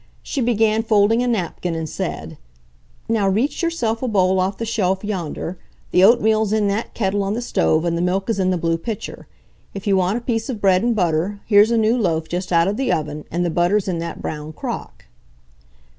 She began folding a napkin, and said: "Now reach yourself a bowl off the shelf yonder. The oatmeal's in that kettle on the stove and the milk is in the blue pitcher. If you want a piece of bread and butter, here's a new loaf just out of the oven, and the butter's in that brown crock."